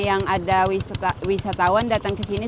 yang ada wisatawan datang ke sini